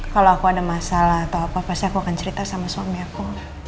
kalau aku ada masalah atau apa pasti aku akan cerita sama suami aku